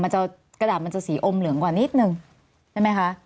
กระดาษมันจะสีอมเหลืองกว่านิดนึงใช่ไหมคะ